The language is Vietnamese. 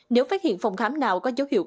nếu phát hiện phòng khám nào có dấu hiệu